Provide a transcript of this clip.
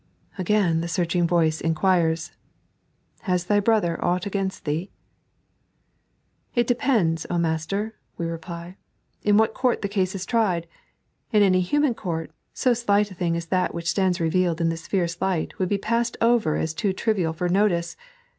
Again, the searching voice inquires :" Has thy brother aught against thee t "" It depends, O Master," we reply, "in what court the case is tried. In any human court, so slight a thing as that which stands revealed in this fierce light would be passed over as too trivial for notice.